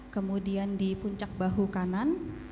kemudian di puncak bahu kanan